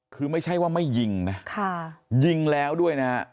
คือไม่ใช่ว่าไม่ยิงนะยิงแล้วด้วยนะฮะ